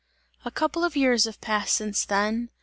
A couple of years have passed since then.